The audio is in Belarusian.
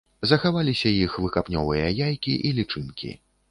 Захаваліся іх выкапнёвыя яйкі і лічынкі.